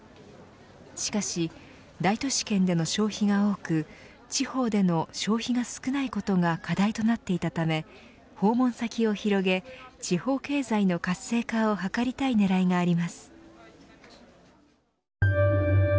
しかし、大都市圏での消費が多く地方での消費が少ないことが課題となっていたため訪問先を広げ地方経済の活性化を図りたい狙いがあります。